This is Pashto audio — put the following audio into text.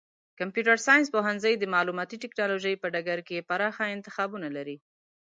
د کمپیوټر ساینس پوهنځی د معلوماتي ټکنالوژۍ په ډګر کې پراخه انتخابونه لري.